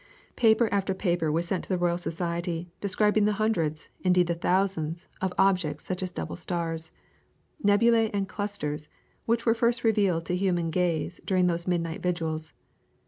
Paper after paper was sent to the Royal Society, describing the hundreds, indeed the thousands, of objects such as double stars; nebulae and clusters, which were first revealed to human gaze during those midnight vigils.